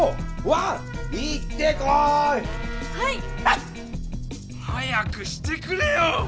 ワン！早くしてくれよ！